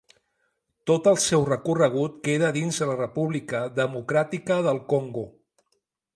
Tot el seu recorregut queda dins la República Democràtica del Congo.